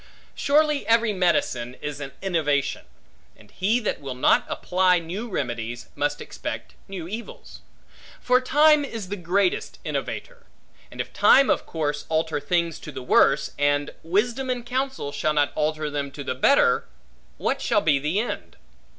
Surely every medicine is an innovation; and he that will not apply new remedies, must expect new evils; for time is the greatest innovator; and if time of course alter things to the worse, and wisdom and counsel shall not alter them to the better, what shall be the end?